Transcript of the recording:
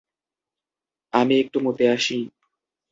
আমি একটু মুতে আসি।